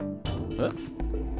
えっ？